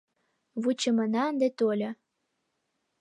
Вучымына ынде тольо: